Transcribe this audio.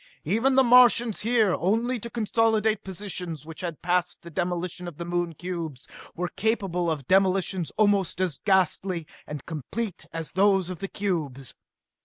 Even the Martians, here only to consolidate positions which had passed the demolition of the Moon cubes, were capable of demolitions almost as ghastly and complete as those of the cubes!